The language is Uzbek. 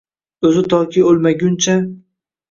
Oʼzi toki oʼlmaguncha…